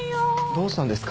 どうしたんですか？